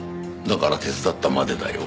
だから手伝ったまでだよ。